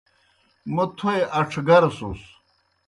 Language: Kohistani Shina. موْ تھوئے اَڇھگر سُس۔